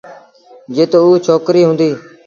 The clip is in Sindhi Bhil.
جت اُ ڇوڪريٚ هُݩديٚ۔